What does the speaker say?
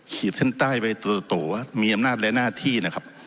ขีดเส้นใต้ไปโตว่ามีอำนาจและหน้าที่นะครับ